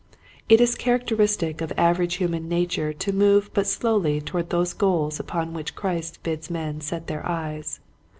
It is characteristic of average human nature to move but slowly toward those goals upon which Christ bids men set their eyes.